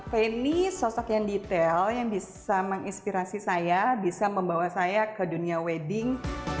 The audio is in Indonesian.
penny sosok yang detail yang bisa menginspirasi saya bisa membawa saya ke dunia wedding